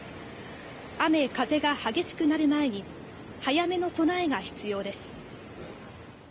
雨風が激しくなる前に早めの備えが必要です。